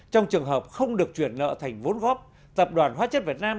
trong trường hợp không được chuyển nợ thành vốn góp tập đoàn hóa chất việt nam